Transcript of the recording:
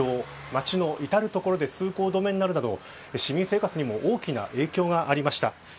街のいたる所で通行止めになるなど市民生活にも大きな影響がありました。